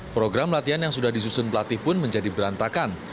program latihan yang sudah disusun pelatih pun menjadi berantakan